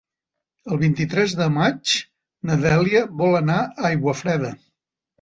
El vint-i-tres de maig na Dèlia vol anar a Aiguafreda.